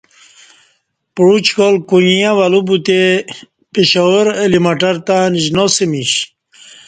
پعوچ کال کویݩہ ولو بوتے پشاور اہ لی مٹر تہ نشناسمیش